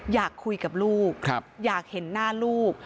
อยากคุยกับลูกอยากเห็นหน้าลูก